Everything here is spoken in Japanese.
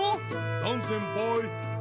ダンせんぱい！